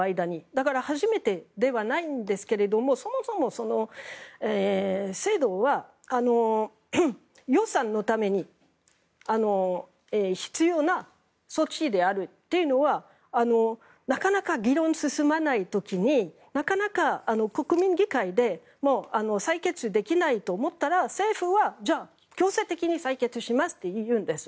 だから初めてではないんですがそもそも、その制度は予算のために必要な措置であるというのはなかなか議論が進まない時になかなか国民議会で採決できないと思ったら政府は、じゃあ強制的に採決しますと言うんです。